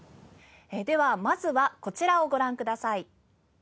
ではまずはこちらをご覧ください。